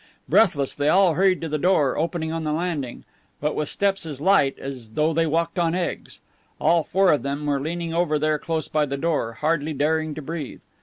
Breathless, they all hurried to the door opening on the landing, but with steps as light "as though they walked on eggs." All four of them were leaning over there close by the door, hardly daring to breathe.